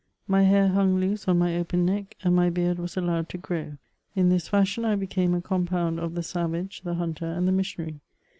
My hair hung loose on my open neck, and my heard was allowed to grow. In this fashion I became a compound of the savage, the hunter, and the missionary.